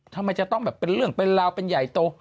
ทำไมจะต้องแบบเป็นเรื่องเป็นราวเป็นใหญ่โต